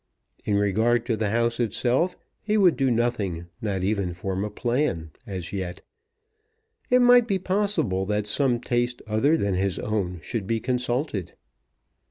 In regard to the house itself he would do nothing, not even form a plan as yet. It might be possible that some taste other than his own should be consulted.